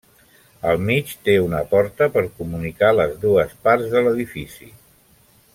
Al mig té una porta per comunicar les dues parts de l'edifici.